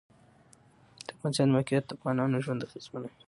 د افغانستان د موقعیت د افغانانو ژوند اغېزمن کوي.